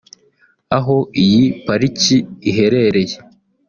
aho iyi Pariki iherereye